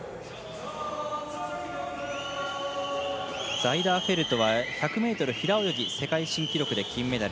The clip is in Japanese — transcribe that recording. ザイダーフェルト１００ｍ平泳ぎ世界新記録で金メダル。